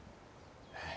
えっ？